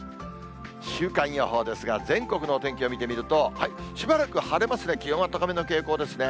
週間予報ですが、全国のお天気を見てみると、しばらく晴れますが、気温は高めの傾向ですね。